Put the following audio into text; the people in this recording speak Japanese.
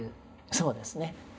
そうですね。